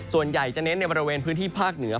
ส่วนใหญ่จะเน้นในบริเวณพื้นที่ภาคเหนือ